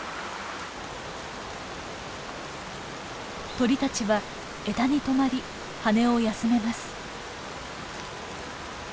鳥たちは枝に止まり羽を休めます。